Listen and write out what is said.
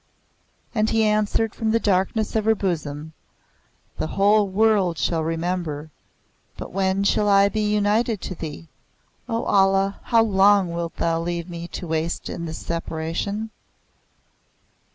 And he answered from the darkness of her bosom, "The whole world shall remember. But when shall I be united to thee? O Allah, how long wilt thou leave me to waste in this separation?"